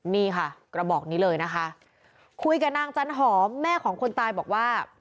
นี่ค่ะกระบอกนี้เลยนะคะคุยกับนางจันหอมแม่ของคนตายบอกว่า